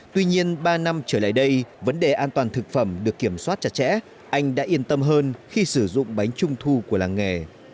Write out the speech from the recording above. tuy nhiên ba năm trở lại đây vấn đề an toàn thực phẩm được kiểm soát chặt chẽ anh đã yên tâm hơn khi sử dụng bánh trung thu của làng nghề